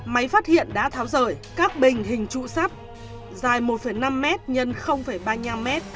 máy phát hiện đã tháo rời các bình hình trụ sắt dài một năm m x năm m